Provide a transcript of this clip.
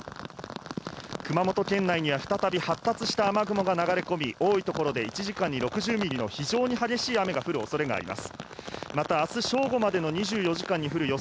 熊本県内には再び発達した雨雲が流れ込み、１時間に６０ミリの非常に激しい雨が降る恐れがあります。